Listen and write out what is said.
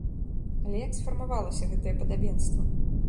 Але як сфармавалася гэтае падабенства?